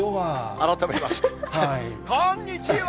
改めまして、こんにちは。